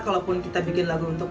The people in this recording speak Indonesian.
saya nggak boleh ambil keuntungan